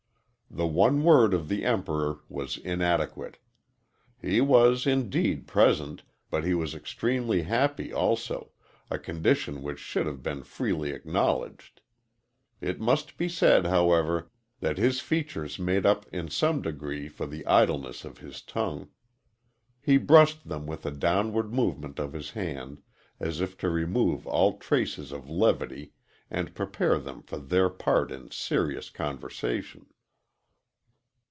The one word of the Emperor was inadequate. He was, indeed, present, but he was extremely happy also, a condition which should have been freely acknowledged. It must be said, however, that his features made up in some degree for the idleness of his tongue. He brushed them with a downward movement, of his hand, as if to remove all traces of levity and prepare them for their part in serious conversation.